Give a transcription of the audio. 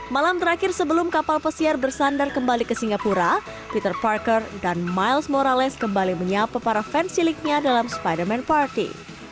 malam terakhir sebelum kapal pesiar bersandar kembali ke singapura peter parker dan miles morales kembali menyapa para fans ciliknya dalam spiderman party